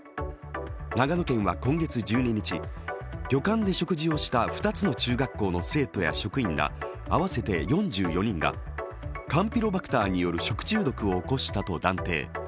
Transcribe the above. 長野県は今月１２日、旅館で食事をした２つの中学校の生徒や職員ら会わせて４４人がカンピロバクターによる食中毒を起こしたと断定。